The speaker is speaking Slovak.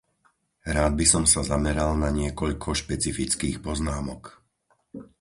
Rád by som sa zameral na niekoľko špecifických poznámok.